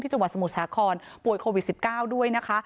จังหวัดสมุทรสาครป่วยโควิด๑๙ด้วยนะคะ